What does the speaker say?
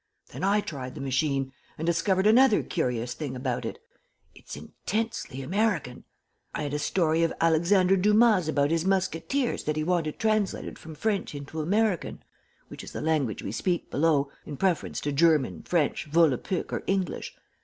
Then I tried the machine, and discovered another curious thing about it. It's intensely American. I had a story of Alexander Dumas' about his Musketeers that he wanted translated from French into American, which is the language we speak below, in preference to German, French, Volapuk, or English.